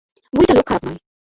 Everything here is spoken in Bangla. বুড়িটা লোক খারাপ নয়।